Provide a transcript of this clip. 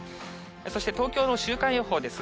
そして東京の週間予報です。